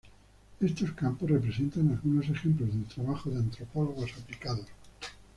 Estos campos representan algunos ejemplos del trabajo de antropólogos aplicados.